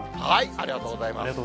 ありがとうございます。